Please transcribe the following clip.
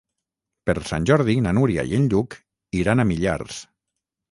Per Sant Jordi na Núria i en Lluc iran a Millars.